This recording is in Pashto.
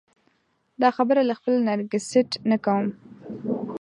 دا خبره له خپل نرګسیت نه کوم.